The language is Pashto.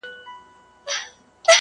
• زه چی پلار وم قصابی لره روزلی -